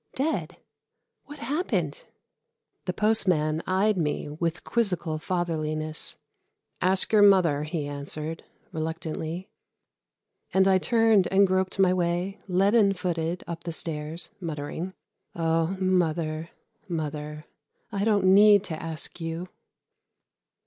"Dead? What happened?" The postman eyed me with quizzical fatherliness. "Ask your mother," he answered, reluctantly, and I turned and groped my way leaden footed up the stairs, muttering, "Oh, mother, mother, I don't need to ask you."